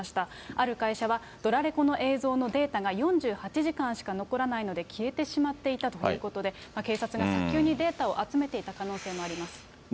ある会社は、ドラレコの映像のデータが４８時間しか残らないので、消えてしまっていたということで、警察が早急にデータを集めていた可能性もあります。